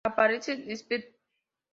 Aparecen spp.